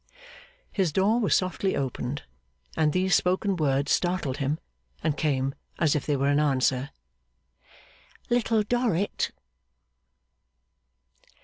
His door was softly opened, and these spoken words startled him, and came as if they were an answer: 'Little Dorrit.